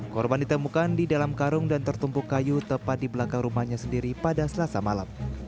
korban ditemukan di dalam karung dan tertumpuk kayu tepat di belakang rumahnya sendiri pada selasa malam